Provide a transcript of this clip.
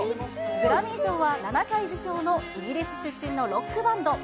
グラミー賞は７回受賞のイギリス出身のロックバンド。